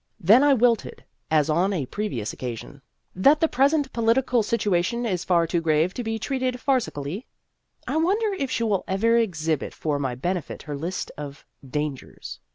Then I wilted, as on a previous occasion. " that the present political situa tion is far too grave to be treated farci cally ?" I wonder if she will ever exhibit for my benefit her list of " Dangers."